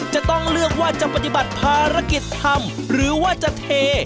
จะต้องเลือกว่าจะปฏิบัติภารกิจทำหรือว่าจะเท